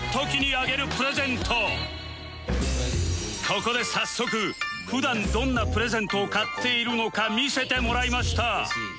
ここで早速普段どんなプレゼントを買っているのか見せてもらいました